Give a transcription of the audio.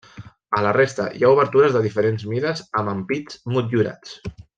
A la resta hi ha obertures de diferents mides amb ampits motllurats.